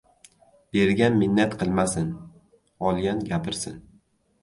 Bergan minnat qilmasin, olgan — gapirsin.